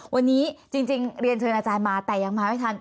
วันนี้จริงเรียนเชิญอาจารย์มาแต่ยังมาไม่ทัน